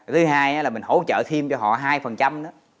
thứ hai là mình hỗ trợ thêm cho họ hai phần trăm đó